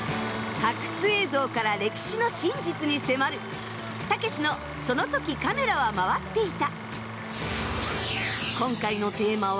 発掘映像から歴史の真実に迫る「たけしのその時カメラは回っていた」。